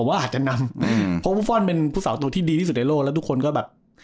ว่าอาจจะนำเพราะบุฟฟอลเป็นผู้สาวตัวที่ดีที่สุดในโลกแล้วทุกคนก็แบบ